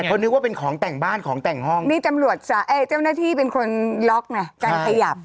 เขานึกว่าเป็นของแต่งบ้านของแต่งห้องนี่ตำรวจเจ้าหน้าที่เป็นคนล็อกไงการขยับ